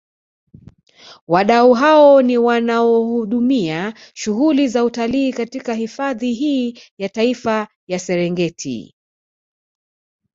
Wadau hao ni wanaohudumia shughuli za utalii katika hifadhi hii ya Taifa ya Serengeti